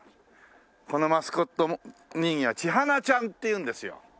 このマスコット人形はちはなちゃんっていうんですよ。